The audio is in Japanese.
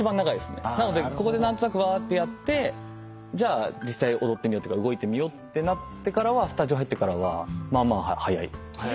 なのでここで何となくわーってやってじゃあ実際踊ってみよう動いてみようってなってスタジオ入ってからはまあまあ早い。